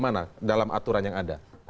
yang bagaimana dalam aturan yang ada